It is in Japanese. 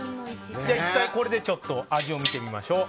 １回これで味を見てみましょう。